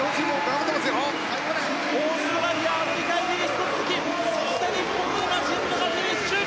オーストラリア、アメリカイギリスと続きそして日本の神野が今フィニッシュ。